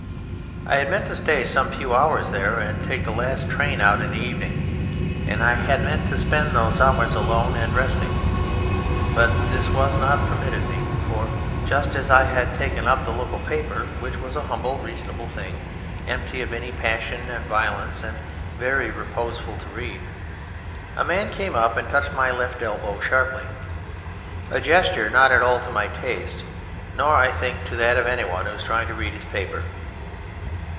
I had meant to stay some few hours there and to take the last train out in the evening, and I had meant to spend those hours alone and resting; but this was not permitted me, for just as I had taken up the local paper, which was a humble, reasonable thing, empty of any passion and violence and very reposeful to read, a man came up and touched my left elbow sharply: a gesture not at all to my taste nor, I think, to that of anyone who is trying to read his paper.